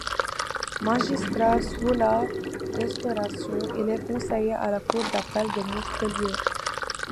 Magistrat sous la Restauration, il est conseiller à la cour d'appel de Montpellier.